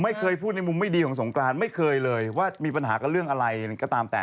ไม่เคยพูดในมุมไม่ดีของสงกรานไม่เคยเลยว่ามีปัญหากับเรื่องอะไรก็ตามแต่